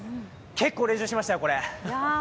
結構練習しましたよ、これ。